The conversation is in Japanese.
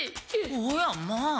おやまあ。